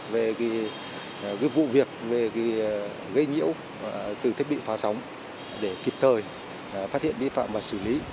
về vụ việc về gây nhiễu từ thiết bị phá sóng để kịp thời phát hiện vi phạm và xử lý